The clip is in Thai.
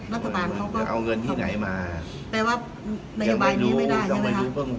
รัฐบาลเขาก็เอาเงินที่ไหนมาแปลว่ายังไม่รู้ยังไม่รู้